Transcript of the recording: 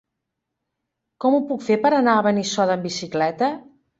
Com ho puc fer per anar a Benissoda amb bicicleta?